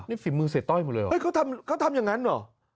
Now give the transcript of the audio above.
นี่ฝีมือเสียต้อยหมดเลยเหรอเฮ้ยเขาทำอย่างนั้นเหรอ